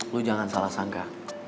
lo jangan salah sangka